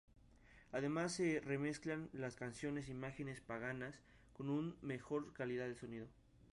Además se remezcla la canción "Imágenes Paganas", con una mejor calidad de sonido.